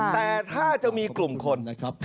แต่ถ้าจะมีกลุ่มคน